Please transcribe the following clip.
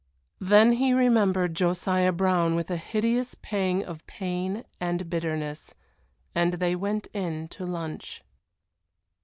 Then he remembered Josiah Brown with a hideous pang of pain and bitterness and they went in to lunch.